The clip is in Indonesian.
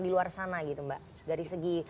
di luar sana gitu mbak dari segi